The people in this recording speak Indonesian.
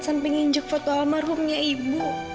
sampai nginjek foto almarhumnya ibu